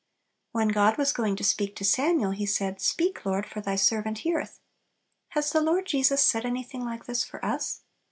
When God was going to speak to Samuel, he said, "Speak, Lord, for Thy servant heareth." Has the Lord Jesus said anything like this for us?